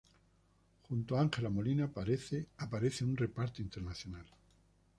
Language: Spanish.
Junto a Ángela Molina aparece un reparto internacional.